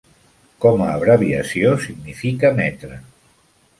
Com a abreviació, significa metre.